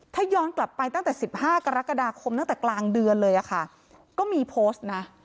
ถ้าย้อนกลับไปตั้งแต่๑๕กรกฎาคมตั้งแต่กลางเดือนเลยค่ะก็มีโพสต์นะ